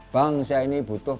bangsa ini butuh